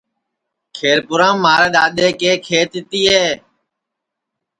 کھیر پُورام مھارے دؔادؔے کے کھیت تِئے